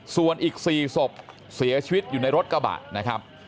ส่วนอีก๔ศพเสียชีวิตอยู่ในรถกระบะนะครับ